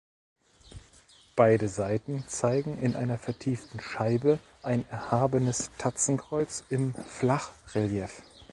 Beide Seiten zeigen in einer vertieften Scheibe ein erhabenes Tatzenkreuz im Flachrelief.